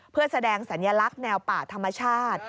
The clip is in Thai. เพื่อแสดงสัญลักษณ์แนวป่าธรรมชาติ